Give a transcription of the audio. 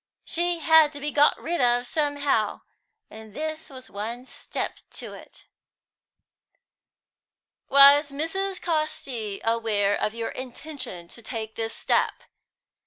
She had to be got rid of somehow, and this was one step to it." "Was Mrs. Casti aware of your intention to take this step?"